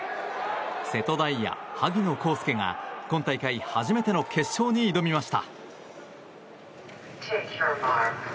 瀬戸大也、萩野公介が今大会初めての決勝に挑みました。